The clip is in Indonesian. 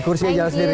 kursinya jalan sendiri